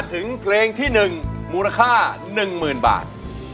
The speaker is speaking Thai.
ถึงเพลงที่หนึ่งมูลค่าหนึ่งหมื่นบาท